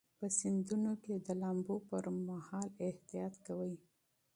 په سیندونو کې د لامبو پر مهال احتیاط وکړئ.